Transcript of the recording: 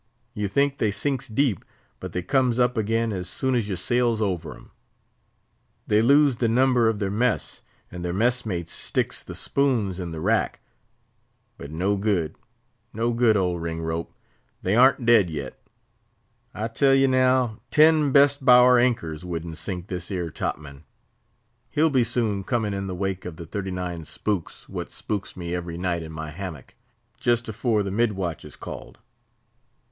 You think they sinks deep, but they comes up again as soon as you sails over 'em. They lose the number of their mess, and their mess mates sticks the spoons in the rack; but no good—no good, old Ringrope; they ar'n't dead yet. I tell ye, now, ten best—bower anchors wouldn't sink this 'ere top man. He'll be soon coming in the wake of the thirty nine spooks what spooks me every night in my hammock—jist afore the mid watch is called.